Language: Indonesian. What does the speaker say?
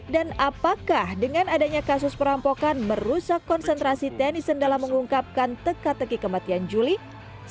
dan apakah dengan adanya kasus perampokan merusak konsentrasi tennyson dalam mengungkapkan teka teki kematian julie